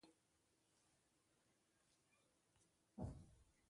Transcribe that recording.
آمو سیند د افغانستان د جغرافیوي تنوع مثال دی.